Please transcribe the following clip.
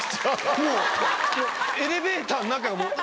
もうエレベーターの中が。